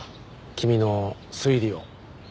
君の推理を。